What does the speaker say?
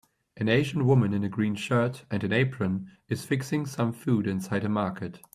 An asian woman in a green shirt and an apron is fixing some food inside a market.